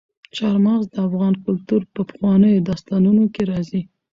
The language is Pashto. چار مغز د افغان کلتور په پخوانیو داستانونو کې راځي.